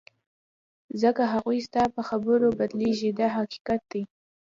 ځکه هغوی ستا په خبرو بدلیږي دا حقیقت دی.